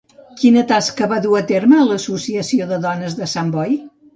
Quina tasca va dur a terme a l'Associació de Dones de Sant Boi?